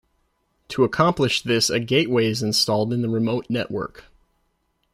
To accomplish this a gateway is installed in the remote network.